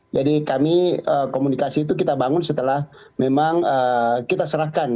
jadi kami komunikasi itu kita bangun setelah memang kita serahkan